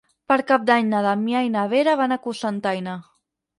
Per Cap d'Any na Damià i na Vera van a Cocentaina.